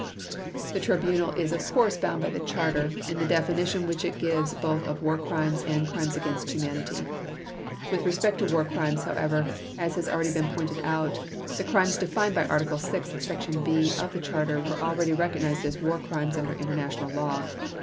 The Tribunal is of course bound by the Charter, in the definition which it gives both of War Crimes and Crimes against Humanity. With respect to War Crimes, however, as has already been pointed out, the crimes defined by Article 6, Section (b), of the Charter were already recognized as War Crimes under international law.